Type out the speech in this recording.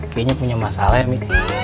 kayanya punya masalah ya mi